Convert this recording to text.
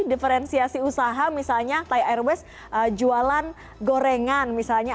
diferensiasi usaha misalnya thai airways jualan gorengan misalnya